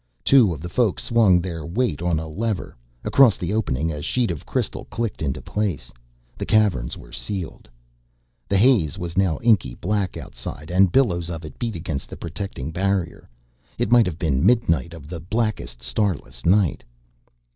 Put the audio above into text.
Two of the Folk swung their weight on a lever. Across the opening a sheet of crystal clicked into place. The Caverns were sealed. The haze was now inky black outside and billows of it beat against the protecting barrier. It might have been midnight of the blackest, starless night.